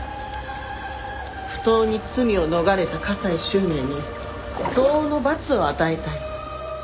不当に罪を逃れた加西周明に相応の罰を与えたい。